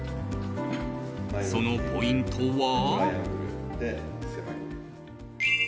そのポイントは。